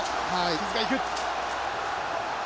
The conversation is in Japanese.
木津がいく。